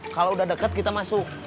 kalau udah dekat kita masuk